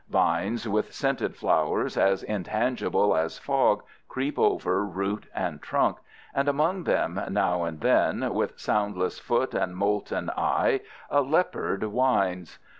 Vines with scented flowers as intangible as fog creep over root and trunk, and among them now and then with soundless foot and molten eye a leopard winds.